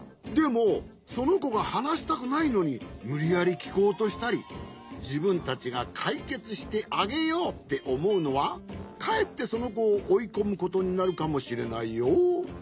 でもそのこがはなしたくないのにむりやりきこうとしたりじぶんたちがかいけつしてあげようっておもうのはかえってそのこをおいこむことになるかもしれないよ。